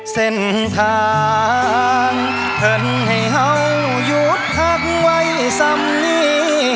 เส้นทางเผินให้เฮาหยุดหักไว้สับนี้